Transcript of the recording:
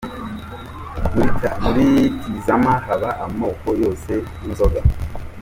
Muri Tizama haba amoko yose y'inzoga.